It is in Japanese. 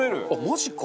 マジか！